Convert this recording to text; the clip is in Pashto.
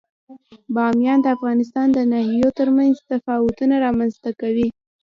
بامیان د افغانستان د ناحیو ترمنځ تفاوتونه رامنځ ته کوي.